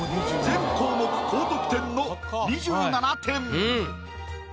全項目高得点の２７点。